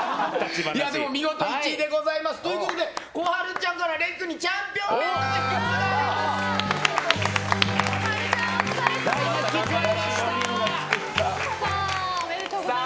でも見事、１位でございます。ということで、こはるちゃんかられん君にチャンピオンベルトが引き継がれます！